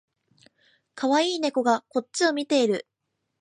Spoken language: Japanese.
かわいい猫がこっちを見ている